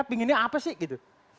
pinginnya apa sih gitu